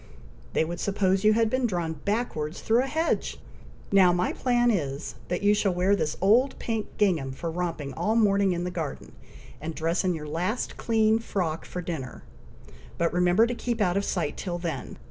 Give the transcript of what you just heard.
They would suppose you had been drawn backwards through a hedge! Now my plan is, that you shall wear this old pink gingham for romping all morning in the garden, and dress in your last clean frock for dinner; but remember to keep out of sight till then.